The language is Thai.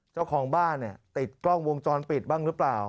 เจ้าของบ้านเนี่ยติดกล้องวงจรปิดบ้างหรือเปล่า